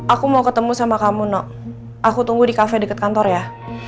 aku mau ketemu sama kamu nak aku tunggu di kafe dekat kantor ya